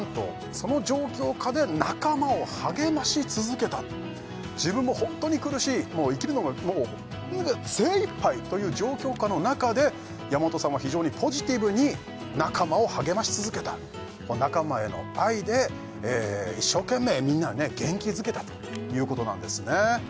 その状況下で自分もホントに苦しいもう生きるのがもう無理だ精いっぱいという状況下の中で山本さんは非常にポジティブに仲間を励まし続けた仲間への愛で一生懸命みんなをね元気づけたということなんですね